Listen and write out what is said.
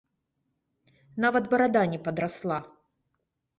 Нават барада не падрасла.